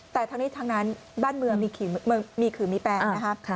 แต่ทั้งนี้ทั้งนั้นบ้านเมืองมีขื่อมีแปลงนะคะ